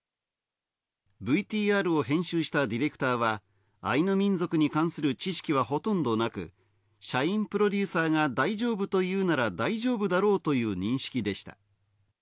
ＶＴＲを編集したディレクターはアイヌ民族に関する知識はほとんどなく、社員プロデューサーが大丈夫というなら大丈夫だろう、という認識でした。